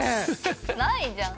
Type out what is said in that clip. ないじゃん。